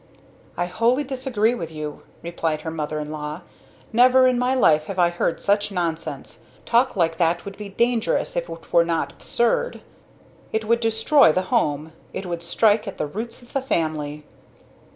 "I wholly disagree with you!" replied her mother in law. "Never in my life have I heard such nonsense. Talk like that would be dangerous, if it were not absurd! It would destroy the home! It would strike at the roots of the family."